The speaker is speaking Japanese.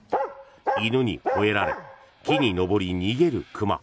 犬にほえられ木に登り、逃げる熊。